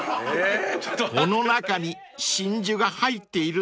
［この中に真珠が入っているんですね］